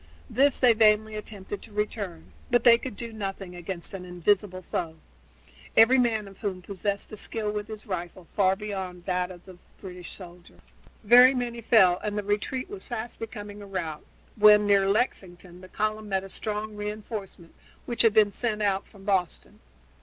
This they vainly attempted to return, but they could do nothing against an invisible foe, every man of whom possessed a skill with his rifle far beyond that of the British soldier. Very many fell and the retreat was fast becoming a rout, when, near Lexington, the column met a strong re enforcement which had been sent out from Boston.